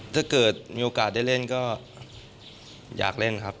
ถ้าเกิดมีโอกาสได้เล่นก็อยากเล่นครับ